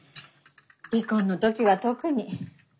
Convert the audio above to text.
離婚の時は特に。